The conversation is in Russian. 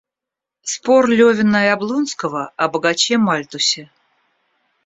Спор Левина и Облонского о богаче Мальтусе.